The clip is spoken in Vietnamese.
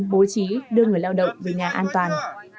bố trí đưa người lao động về nhà an toàn